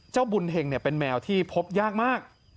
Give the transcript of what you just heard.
เจ้าบุญเฮงเนี่ยเป็นแมวที่พบยากมาก